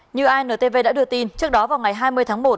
như antv đã được tin trước đó vào ngày hai mươi tháng một